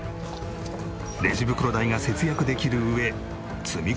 レジ袋代が節約できる上積み込みも簡単。